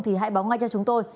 thì hãy báo ngay cho chúng tôi